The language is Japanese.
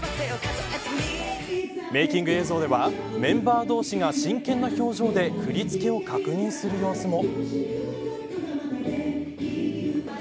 メイキング映像ではメンバー同士が真剣な表情で振り付けを確認する様子も。